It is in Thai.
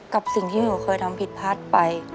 กับสิ่งที่หนูเคยทำผิดพลาดไป